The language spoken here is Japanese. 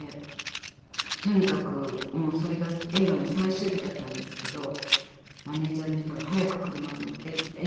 とにかくもうそれが映画の最終日だったんですけどマネジャーの人が「早く車に乗って」って。